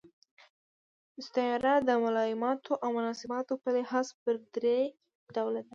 استعاره د ملایماتو او مناسباتو په لحاظ پر درې ډوله ده.